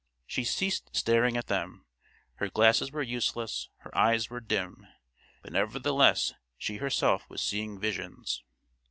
She ceased staring at them, her glasses were useless, her eyes were dim; but nevertheless she herself was seeing visions.